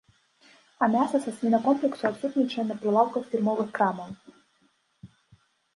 А мяса са свінакомплексу адсутнічае на прылаўках фірмовых крамаў.